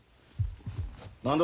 何だ？